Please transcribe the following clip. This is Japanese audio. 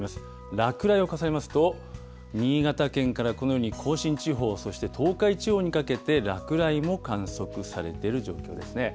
落雷を重ねますと、新潟県から、このように甲信地方、そして東海地方にかけて、落雷も観測されている状況ですね。